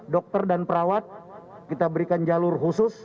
dokter dan perawat kita berikan jalur khusus